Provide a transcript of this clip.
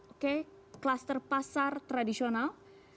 oke kluster pasar tradisional